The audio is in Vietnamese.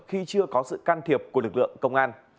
khi chưa có sự can thiệp của lực lượng công an